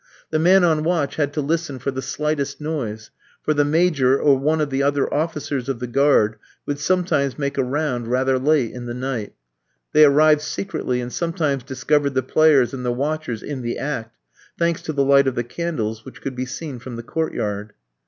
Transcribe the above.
The man on watch had to listen for the slightest noise, for the Major or one of the other officers of the guard would sometimes make a round rather late in the night. They arrived secretly, and sometimes discovered the players and the watchers in the act thanks to the light of the candles, which could be seen from the court yard.